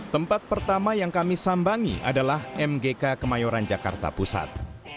tempat pertama yang kami sambangi adalah mgk kemayoran jakarta pusat